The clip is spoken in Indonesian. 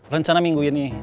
rencana minggu ini